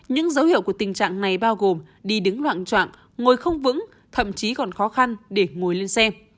những dấu hiệu của tình trạng này bao gồm đi đứng loạn trạng ngồi không vững thậm chí còn khó khăn để ngồi lên xe